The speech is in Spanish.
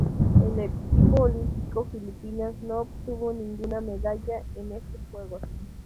El equipo olímpico filipino no obtuvo ninguna medalla en estos Juegos.